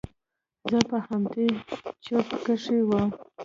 زه په همدې چورت کښې وم.